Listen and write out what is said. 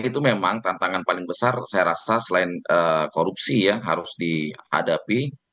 itu memang tantangan paling besar saya rasa selain korupsi yang harus dihadapi